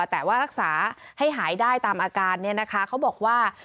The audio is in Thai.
แต่ว่ารักษาให้หายได้ตามอาการเขาบอกว่า